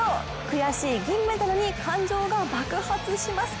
悔しい銀メダルに感情が爆発します。